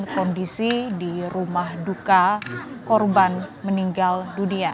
kondisi di rumah duka korban meninggal dunia